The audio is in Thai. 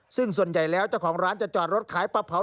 ซึ่งส่วนใหญ่แล้วเจ้าของร้านจะจอดรถขายปลาเผา